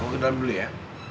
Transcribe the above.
yaudah aku ke dalam dulu ya